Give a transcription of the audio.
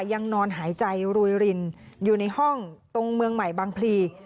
ยังนอนหายใจรวยรินอยู่ในห้องตรงเมืองใหม่บางพลี